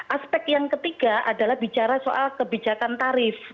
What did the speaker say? aspek yang ketiga adalah bicara soal kebijakan tarif